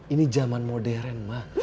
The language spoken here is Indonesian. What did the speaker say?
ini zaman modern ma